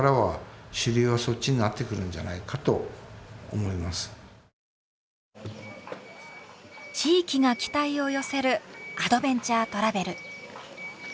そうすると地域が期待を寄せるアドベンチャートラベル。